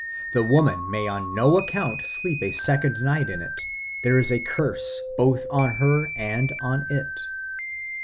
The woman may on no account sleep a second night in it; there is a curse both on her and on it.